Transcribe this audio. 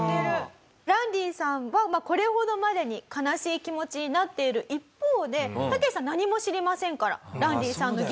ランディさんはこれほどまでに悲しい気持ちになっている一方でタケシさん何も知りませんからランディさんのギターなんてね。